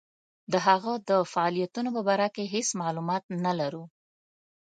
د هغه د فعالیتونو په باره کې هیڅ معلومات نه لرو.